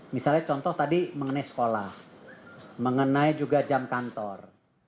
misalnya contoh tadi mengenai sekolah mengenai juga jam kantor